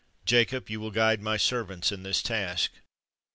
Jacob, you will guide my servants in this task."